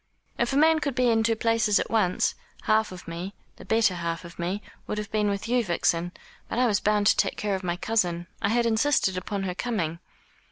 "If a man could be in two places at once, half of me, the better half of me, would have been with you, Vixen; but I was bound to take care of my cousin. I had insisted upon her coming."